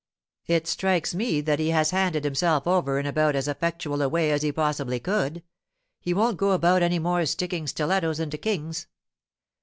It strikes me that he has handed himself over in about as effectual a way as he possibly could; he won't go about any more sticking stilettos into kings.